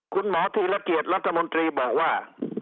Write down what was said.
คุณหมอธีรเกียจรัฐมนตรีบอกว่า